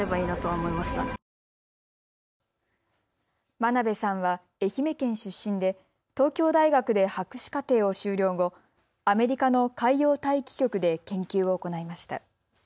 真鍋さんは愛媛県出身で東京大学で博士課程を修了後、アメリカの海洋大気局で研究を行いました。